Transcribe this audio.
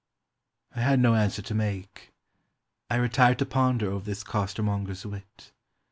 I had no answer to make. I retired to ponder over this costermonger's wit.